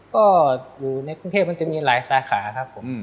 ก็อยู่ในกรุงเทพมันจะมีหลายสาขาครับผม